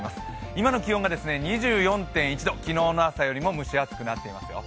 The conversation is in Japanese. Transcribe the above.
今の気温が２４．１度、昨日の朝よりも蒸し暑くなっていますよ。